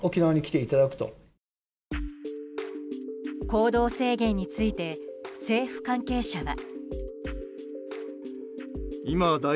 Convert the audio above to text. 行動制限について政府関係者は。